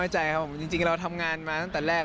จริงเราทำงานมาตั้งแต่แรก